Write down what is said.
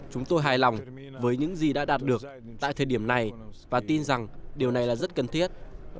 chúng tôi hài lòng với những gì đã đạt được tại thời điểm này và tin rằng điều này là rất cần thiết